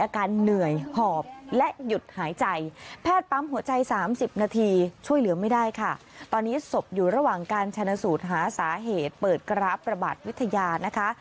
การชาญสูตรหาสาเหตุเปิดกราบระบาดวิทยานะคะ